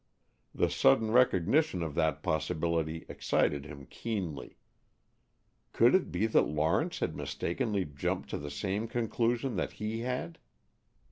The sudden recognition of that possibility excited him keenly. Could it be that Lawrence had mistakenly jumped to the same conclusion that he had?